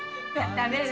食べる？